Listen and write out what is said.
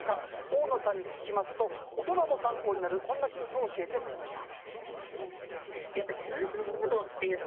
大野さんに聞きますと大人も参考になるこんなヒントを教えてくれました。